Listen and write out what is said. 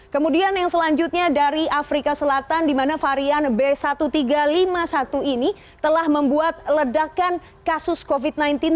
kemudian yang selanjutnya dari afrika selatan di mana varian b satu tiga lima satu ini telah membuat ledakan kasus covid sembilan belas